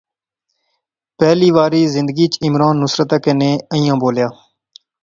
پہلی واری زندگیچ عمران نصرتا کنے ایہھاں بولیا